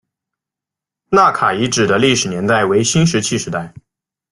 纳卡遗址的历史年代为新石器时代。